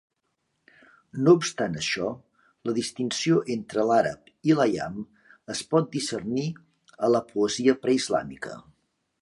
No obstant això, la distinció entre l"àrab i l"aiam es pot discernir a la poesia pre-islàmica.